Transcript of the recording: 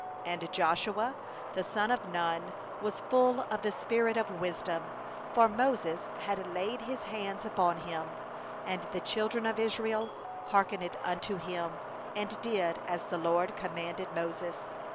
9And Joshua the son of Nun was full of the spirit of wisdom; for Moses had laid his hands upon 34 him; and the children of Israel hearkened unto him, and did as the LORD commanded Moses.